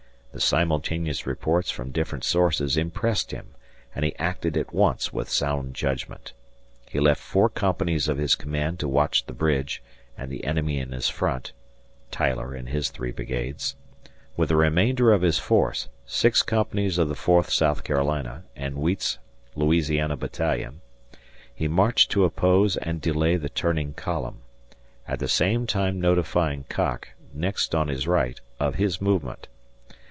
The simultaneous reports from different sources impressed him, and he acted at once with sound judgment. He left four companies of his command to watch the bridge and the enemy in his front Tyler and his three brigades. With the remainder of his force (six companies of the 4th S. C. and Wheat's La. Battalion) he marched to oppose and delay the turning column, at the same time notifying Cocke, next on his right, of his movement.